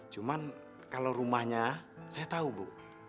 cuman kalau rumahnya saya tahu bu